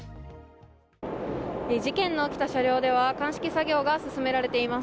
事件の起きた車両では鑑識作業が進められています。